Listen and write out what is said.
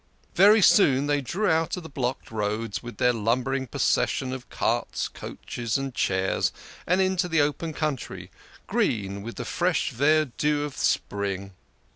Very soon they drew out of the blocked roads, with their lumbering procession of carts, coaches, and chairs, and into open country, green with the fresh verdure of the spring.